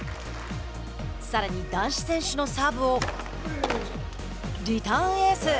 さらに男子選手のサーブをリターンエース。